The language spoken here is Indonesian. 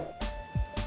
tadinya di pasar